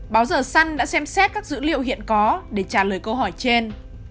báo giờ săn đã xem xét các dữ liệu hiện có để trả lời câu hỏi trên